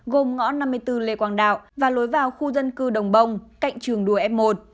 gồm ngõ năm mươi bốn lê quang đạo và lối vào khu dân cư đồng bông cạnh trường đua f một